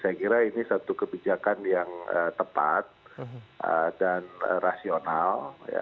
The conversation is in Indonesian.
saya kira ini satu kebijakan yang tepat dan rasional